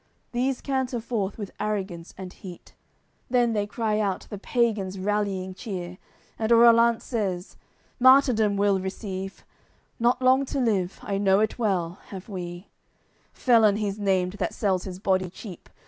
These canter forth with arrogance and heat, Then they cry out the pagans' rallying cheer; And Rollant says: "Martyrdom we'll receive; Not long to live, I know it well, have we; Felon he's named that sells his body cheap!